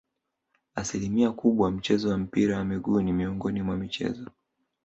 Asilimia kubwa mchezo wa mpira wa miguu ni miongoni mwa michezo